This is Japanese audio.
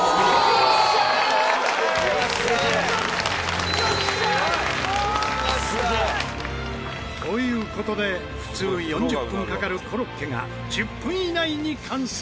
「よっしゃー！よし！」という事で普通４０分かかるコロッケが１０分以内に完成。